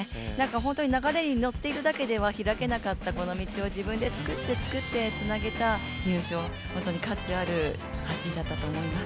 本当に流れに乗っているだけでは開けなかった道を自分で作って、作って、つなげた入賞価値ある走りだったと思います。